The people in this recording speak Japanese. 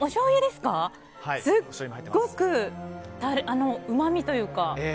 すっごくうまみというか。